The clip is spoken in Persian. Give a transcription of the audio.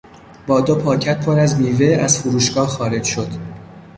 با دو پاکت پر از میوه از فروشگاه خارج شد.